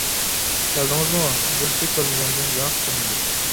— كەلدىڭىزمۇ؟ بىرسى كۆرمىگەندۇ؟ — ياق، كۆرمىدى.